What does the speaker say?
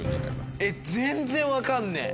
えっ全然分かんねえ。